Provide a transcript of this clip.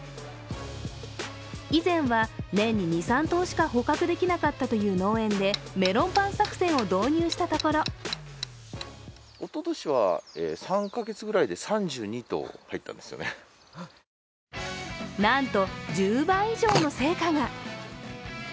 以前は年に２３頭しか捕獲できなかったという農園でメロンパン作戦を導入したところなんと、１０倍以上の成果が。